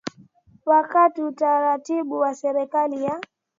wa katika utaratibu wa serikali ya